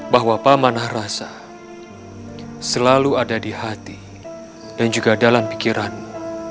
bahwa pamanah rasa selalu ada di hati dan juga dalam pikiranmu